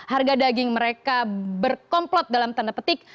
harga daging mereka berkomplot dalam tanda petik